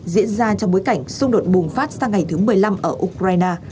diễn ra trong bối cảnh xung đột bùng phát sang ngày thứ một mươi năm ở ukraine